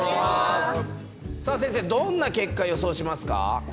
どんな結果を予想しますか？